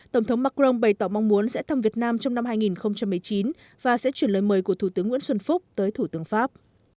tổng thống macron bày tỏ mong muốn sẽ thăm việt nam trong năm hai nghìn một mươi chín và sẽ chuyển lời mời của thủ tướng nguyễn xuân phúc tới thủ tướng pháp